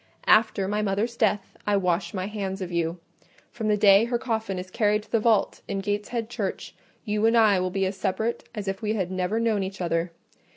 After my mother's death, I wash my hands of you: from the day her coffin is carried to the vault in Gateshead Church, you and I will be as separate as if we had never known each other.